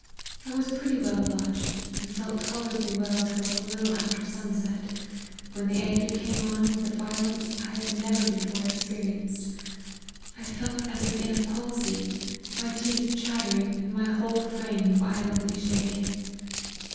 I was pretty well lodged, and felt tolerably well till a little after sunset, when the ague came on with a violence I had never before experienced ; I felt as if in a palsy : my teeth chattering, and my whole frame violently shaken.